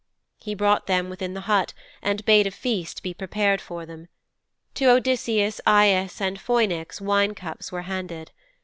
"' 'He brought them within the hut and bade a feast be prepared for them. To Odysseus, Aias and Phoinix wine cups were handed.